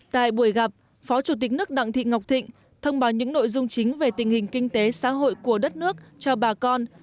tại buổi gặp phó chủ tịch nước đặng thị ngọc thịnh thông báo những nội dung chính về tình hình kinh tế xã hội của đất nước cho bà con